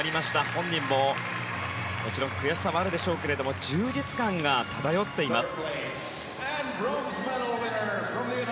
本人も、もちろん悔しさもあるでしょうけど充実感が漂っています。